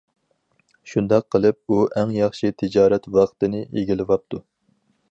شۇنداق قىلىپ، ئۇ ئەڭ ياخشى تىجارەت ۋاقتىنى ئىگىلىۋاپتۇ.